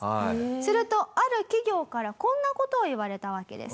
するとある企業からこんな事を言われたわけです。